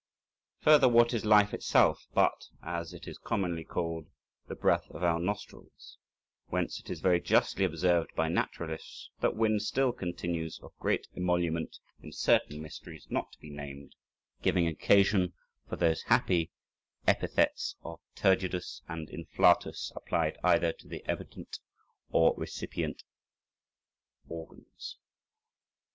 Further, what is life itself but, as it is commonly called, the breath of our nostrils, whence it is very justly observed by naturalists that wind still continues of great emolument in certain mysteries not to be named, giving occasion for those happy epithets of turgidus and inflatus, applied either to the emittent or recipient organs.